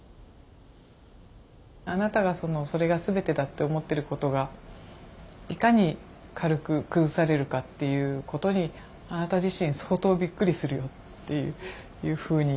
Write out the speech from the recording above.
あなたがそれが全てだって思ってることがいかに軽く崩されるかっていうことにあなた自身相当びっくりするよっていうふうに。